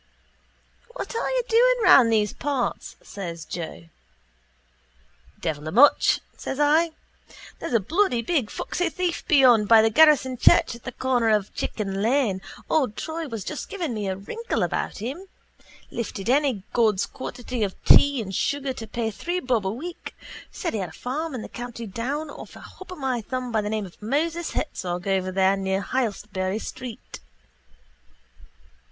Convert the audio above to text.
—What are you doing round those parts? says Joe. —Devil a much, says I. There's a bloody big foxy thief beyond by the garrison church at the corner of Chicken lane—old Troy was just giving me a wrinkle about him—lifted any God's quantity of tea and sugar to pay three bob a week said he had a farm in the county Down off a hop of my thumb by the name of Moses Herzog over there near Heytesbury street.